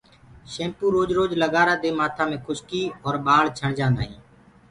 شيمپو روج روج لگآرآ دي مآٿآ مي کُشڪي اور ٻآݪ ڇڻدآ هينٚ۔